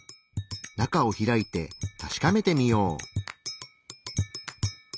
中を開いて確かめてみよう。